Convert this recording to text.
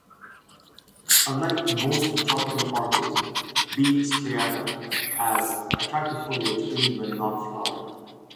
Unlike most tropical orchids, B. striata has attractive foliage even when not flowering.